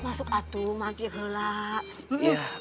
masuk atu mampir helak